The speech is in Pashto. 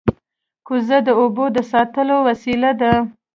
کوزه د اوبو د ساتلو وسیله ده